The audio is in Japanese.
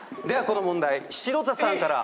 この問題城田さんから。